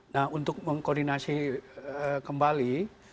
nah untuk mengkoordinasi kembali